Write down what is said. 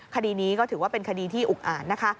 คดีนี้ก็ถือว่าเป็นคดีที่อุกอ่านนะคะ